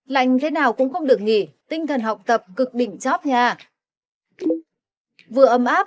lạnh thế nào cũng không được nghỉ tinh thần học tập cực bình chóp nha